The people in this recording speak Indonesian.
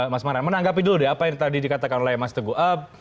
mas maran menanggapi dulu deh apa yang tadi dikatakan oleh mas teguh